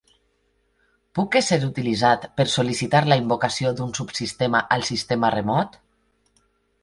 Puc ésser utilitzat per sol·licitar la invocació d'un subsistema al sistema remot?